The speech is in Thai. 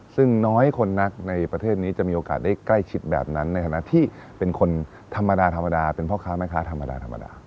ซึ่งน้อยคนนักในประเทศนี้จะมีโอกาสได้ใกล้ชิดแบบนั้นในฐานะที่เป็นคนธรรมดาธรรมดาเป็นพ่อค้าแม่ค้าธรรมดาธรรมดา